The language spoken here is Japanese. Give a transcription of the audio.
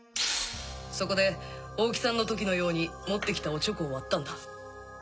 そこで大木さんの時のように持ってきたオチョコを割ったんだ。